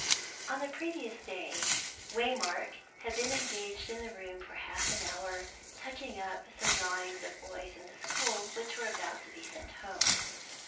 On the previous day, Waymark had been engaged in the room for half an hour touching up some drawings of boys in the school, which were about to be sent home.